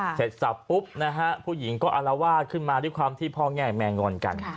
เสร็จสับปุ๊บนะฮะผู้หญิงก็อารวาสขึ้นมาด้วยความที่พ่อแง่แม่งอนกัน